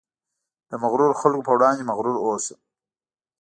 د مغرورو خلکو په وړاندې مغرور اوسه.